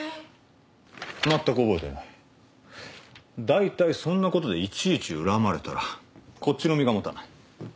だいたいそんなことでいちいち恨まれたらこっちの身が持たない。